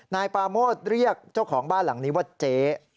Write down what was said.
นายปาโมทเรียกเจ้าของบ้านหลังนี้ว่าเจ๊